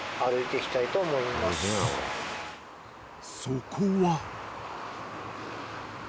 ［そこは］